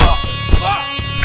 lo sudah bisa berhenti